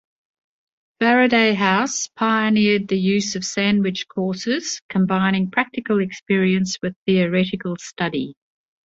Faraday House pioneered the use of sandwich courses, combining practical experience with theoretical study.